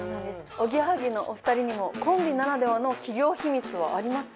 おぎやはぎのお２人にもコンビならではの企業秘密はありますか？